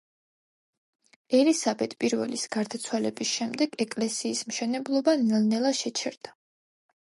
ელისაბედ პირველის გარდაცვალების შემდეგ ეკლესიის მშენებლობა ნელ-ნელა შეჩერდა.